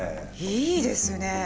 いいですね！